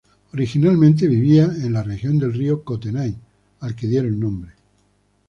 Originalmente, vivía en la región del río Kootenay, al que dieron nombre.